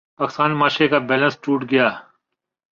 پاکستانی معاشرے کا بیلنس ٹوٹ گیا۔